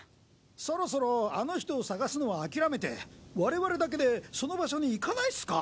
そろそろあの人を捜すのは諦めて我々だけでその場所に行かないっスか？